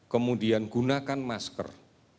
kemudian gunakan masker